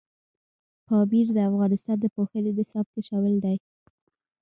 پامیر د افغانستان د پوهنې نصاب کې شامل دي.